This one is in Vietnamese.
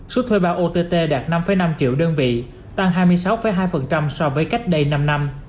số thuê bao ott đạt năm năm triệu đơn vị tăng hai mươi sáu hai so với cách đây năm năm